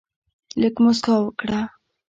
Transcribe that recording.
لږ مسکا وکړه.